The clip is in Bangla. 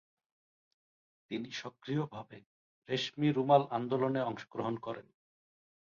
তিনি সক্রিয়ভাবে রেশমি রুমাল আন্দোলনে অংশগ্রহণ করেন।